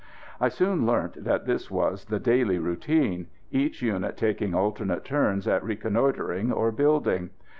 I soon learnt that this was the daily routine, each unit taking alternate turns at reconnoitring or building.